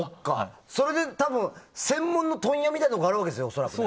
それで多分、専門の問屋みたいなのがあるんでしょ。